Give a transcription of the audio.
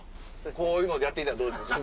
こういうのでやって行ったらどうですか？